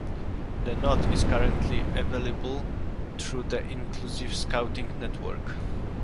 The knot is currently available through the Inclusive Scouting Network.